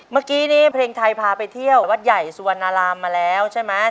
เมื่อกี้นี้เพลงไทยพาไปเที่ยววัดใหญ่สุวรรณรามมาแล้วใช่ไหม